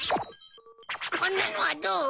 こんなのはどう？